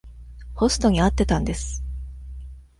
ホストに会ってたんです。